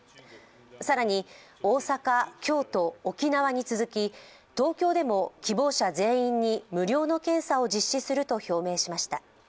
更に大阪、京都、沖縄に続き東京でも希望者全員に無料の検査を実施すると表明しました。